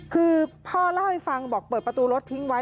คือพ่อเล่าให้ฟังบอกเปิดประตูรถทิ้งไว้